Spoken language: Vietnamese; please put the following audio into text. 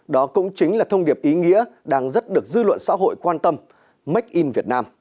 đó cũng chính là thông điệp ý nghĩa đang rất được dư luận xã hội quan tâm make in việt nam